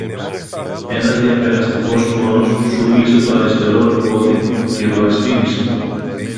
Ένας διαπεραστικός πόνος σούβλισε το αριστερό του πόδι και βλαστήμησε